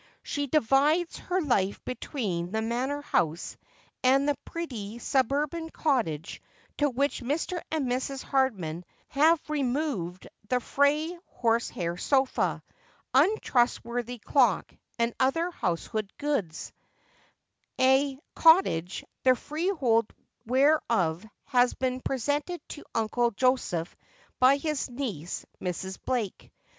She divides fcf SGG Just as I Ar.i. life between the Manor House and the pretty suburban cottage to which Mr. and Mrs. Hardman have removed the frayed horse hair sofa, untrustworthy clock, and other household' gods; a cottage, the freehold whereof has been presented to "Uncle Joseph by his niece Mrs. Blake.